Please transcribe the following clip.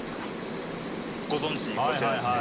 ご存じこちらですね。